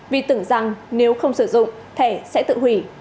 vì tưởng rằng nếu không sử dụng thẻ sẽ tự hủy